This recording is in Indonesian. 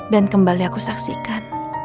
dan kembali aku saksikan